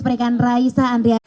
mereka raisa andriada